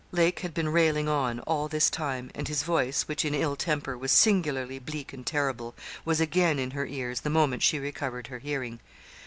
Lake had been railing on all this time, and his voice, which, in ill temper, was singularly bleak and terrible, was again in her ears the moment she recovered her hearing.